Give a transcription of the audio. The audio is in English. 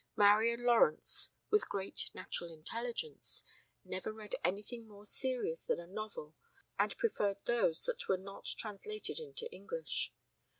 Marian Lawrence, with great natural intelligence, never read anything more serious than a novel and preferred those that were not translated into English.